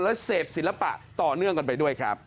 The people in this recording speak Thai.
และเสพศิลปะต่อเนื่องกันไปด้วยครับ